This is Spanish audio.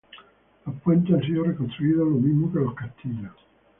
Los puentes han sido reconstruidos, lo mismo que los castillos.